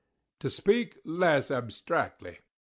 To speak less abstractly.